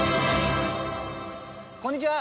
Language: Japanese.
こんにちは。